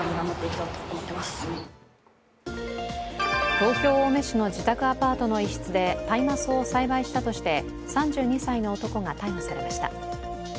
東京・青梅市の自宅アパートの一室で大麻草を栽培したとして３２歳の男が逮捕されました。